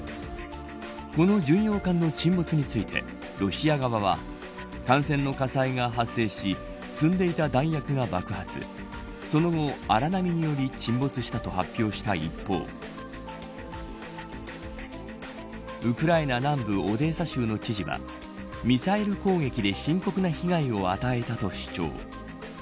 この巡洋艦の沈没についてロシア側は艦船の火災が発生し積んでいた弾薬が爆発その後、荒波により沈没したと発表した一方ウクライナ南部オデーサ州の記事はミサイル攻撃で深刻な被害を与えたと主張。